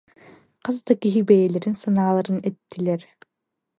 Хас да киһи бэйэлэрин санааларын эттилэр